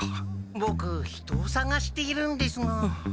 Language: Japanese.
ボク人をさがしているんですが。